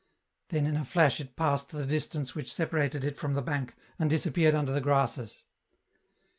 Then in a flash it passed the distance which separated it from the bank, and disappeared under the grasses.